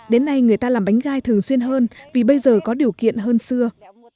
đến nay người ta làm bánh gai thường xuyên hơn vì bây giờ có điều kiện hơn xưa